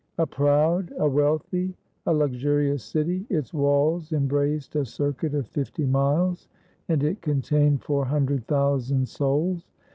A proud, a wealthy, a luxurious city, its walls em braced a circuit of fifty miles, and it contained four hun dred thousand souls.